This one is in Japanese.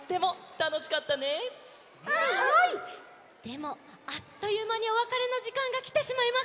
でもあっというまにおわかれのじかんがきてしまいました。